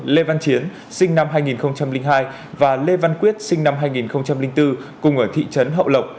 lê văn chiến sinh năm hai nghìn hai và lê văn quyết sinh năm hai nghìn bốn cùng ở thị trấn hậu lộc